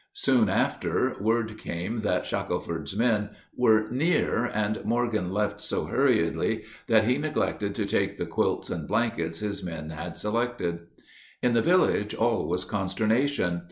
Soon after, word came that Shackelford's men were near, and Morgan left so hurriedly that he neglected to take the quilts and blankets his men had selected. In the village all was consternation.